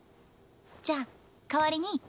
じゃあ代わりに。